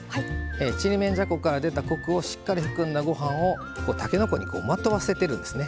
ちりめんじゃこから出たコクをしっかり含んだごはんをたけのこにまとわせてるんですね。